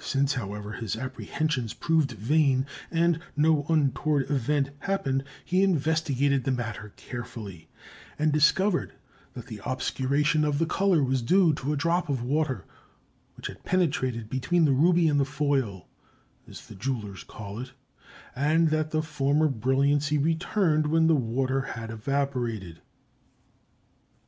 Since, however, his apprehensions proved vain and no untoward event happened, he investigated the matter carefully, and discovered that the obscuration of the color was due to a drop of water which had penetrated between the ruby and the foil, as the jewellers call it, and that the former brilliancy returned when the water had evaporated.